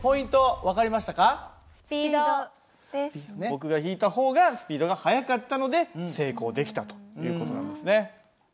僕が引いた方がスピードが速かったので成功できたという事なんですね。